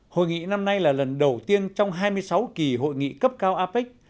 hội nghị năm nay là lần đầu tiên trong hai mươi sáu kỳ hội nghị cấp cao apec